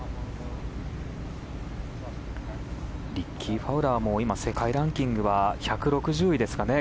リッキー・ファウラーも今、世界ランキングは１６０位ですかね。